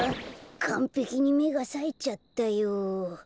かんぺきにめがさえちゃったよ。